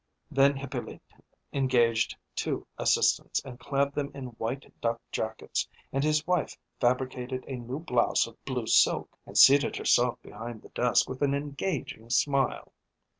Then Hippolyte engaged two assistants, and clad them in white duck jackets, and his wife fabricated a new blouse of blue silk, and seated herself behind the desk with an engaging smile.